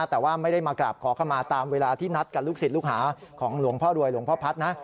แต่ว่าไม่ได้มากราบขอเข้ามาตามเวลาที่นัดกับลูกศิษย์ลูกหาของหลวงพ่อรวยหลวงพ่อพัฒน์นะ